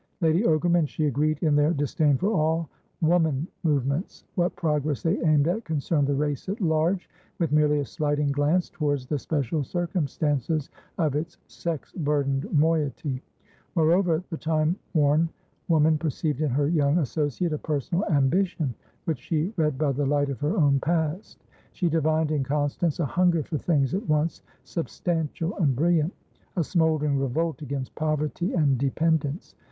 Lady Ogram and she agreed in their disdain for all "woman" movements; what progress they aimed at concerned the race at large, with merely a slighting glance towards the special circumstances of its sex burdened moiety. Moreover, the time worn woman perceived in her young associate a personal ambition which she read by the light of her own past. She divined in Constance a hunger for things at once substantial and brilliant, a smouldering revolt against poverty and dependence.